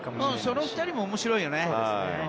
その２人も面白いよね。